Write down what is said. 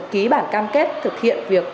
ký bản cam kết thực hiện việc